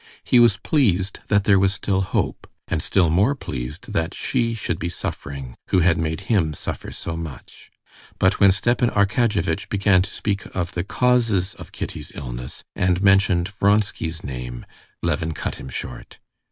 He was pleased that there was still hope, and still more pleased that she should be suffering who had made him suffer so much. But when Stepan Arkadyevitch began to speak of the causes of Kitty's illness, and mentioned Vronsky's name, Levin cut him short.